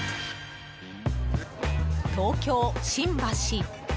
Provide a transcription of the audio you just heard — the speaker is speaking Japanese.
東京・新橋。